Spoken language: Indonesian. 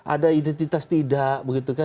ada identitas tidak